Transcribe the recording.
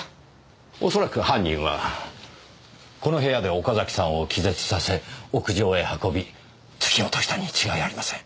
おそらく犯人はこの部屋で岡崎さんを気絶させ屋上へ運び突き落としたに違いありません。